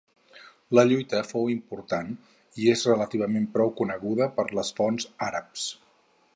La lluita fou important i és relativament prou coneguda per les fonts àrabs.